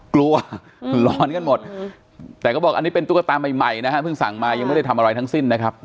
หลอนกันหมดแต่ก็บอกอันนี้เป็นตุ๊กตาใหม่นะฮะเพิ่งสั่งมายังไม่ได้ทำอะไรทั้งสิ้นนะครับ